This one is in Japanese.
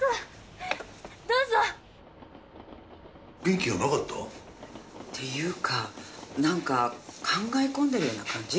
元気がなかった？というかなんか考え込んでるような感じ？